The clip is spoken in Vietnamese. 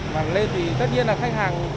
mà lên thì tất nhiên là khách hàng